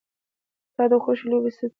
ستا د خوښې لوبې څه دي؟